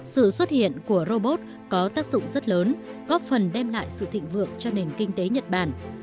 sự xuất hiện của robot có tác dụng rất lớn góp phần đem lại sự thịnh vượng cho nền kinh tế nhật bản